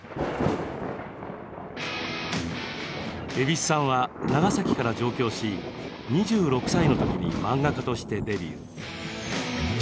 蛭子さんは、長崎から上京し２６歳のときに漫画家としてデビュー。